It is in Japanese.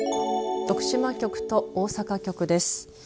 徳島局と大阪局です。